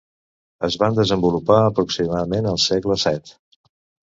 Es van desenvolupar aproximadament al segle VII.